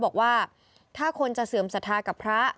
บอกว่าถ้าคนจะเสื่อมศรัทธากับพระ